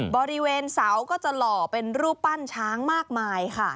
บริเวณเสาก็จะหล่อเป็นรูปปั้นช้างมากมายค่ะ